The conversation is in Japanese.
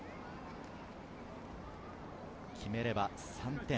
決めれば３点。